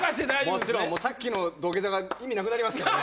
もちろんさっきの土下座が意味なくなりますからね